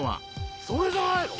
それじゃないの？